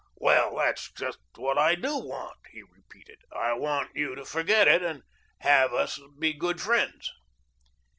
"Well, that's just what I do want," he repeated. "I want you to forget it and have us be good friends."